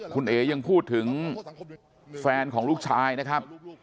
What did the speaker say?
คุณเอ๋ยังพูดถึงแฟนของลูกชายนะครับ